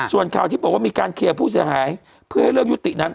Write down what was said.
ส่วนข่าวที่บอกว่ามีการเคลียร์ผู้เสียหายเพื่อให้เรื่องยุตินั้น